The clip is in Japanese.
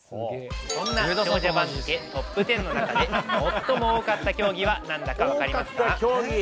そんな長者番付トップ１０の中で、最も多かった競技はなんだか分かりますか？